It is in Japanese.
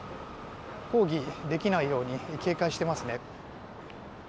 抗議できないように警戒していますね。